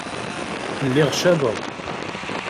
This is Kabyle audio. Lliɣ cabeɣ.